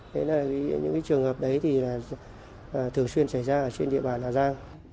thế là những trường hợp đấy thì thường xuyên xảy ra trên địa bàn là ra